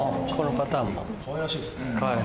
かわいらしいですね。